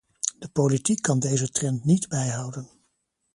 De politiek kan deze trend niet bijhouden.